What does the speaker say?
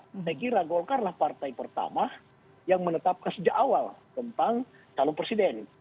saya kira golkarlah partai pertama yang menetapkan sejak awal tentang talung presiden